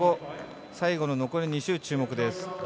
最後の残り２周、注目です。